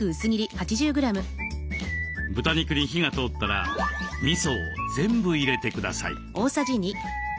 豚肉に火が通ったらみそを全部入れてください。